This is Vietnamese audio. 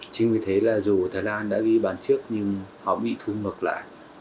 chính vì thế là dù thái lan đã đi bàn trước nhưng họ bị thua ngược lại